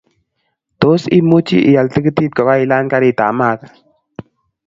Tos, imuchi ial tikitit kokailany gariitab maat?